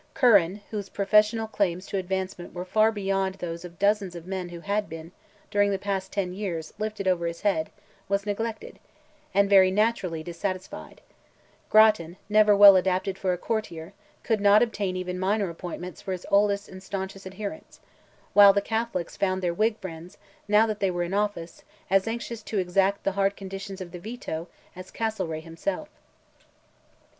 Curran, whose professional claims to advancement were far beyond those of dozens of men who had been, during the past ten years, lifted over his head, was neglected, and very naturally dissatisfied; Grattan, never well adapted for a courtier, could not obtain even minor appointments for his oldest and staunchest adherents; while the Catholics found their Whig friends, now that they were in office, as anxious to exact the hard conditions of the Veto as Castlereagh himself.